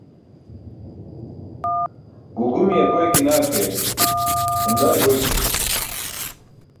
Guu gumiye akoykina ke hun dane goykimi